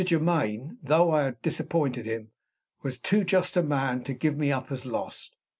Germaine, though I had disappointed him, was too just a man to give me up as lost.